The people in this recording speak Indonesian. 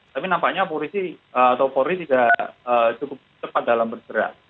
tapi nampaknya polri tidak cukup cepat dalam bergerak